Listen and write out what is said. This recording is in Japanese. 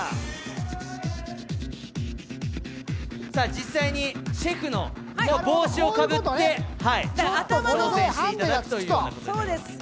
実際にシェフの帽子をかぶって挑戦していただくというものです。